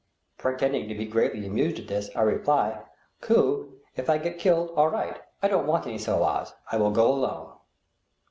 Pretending to be greatly amused at this, I reply, "koob; if I get killed, all right; I don't want any sowars; I will go alone."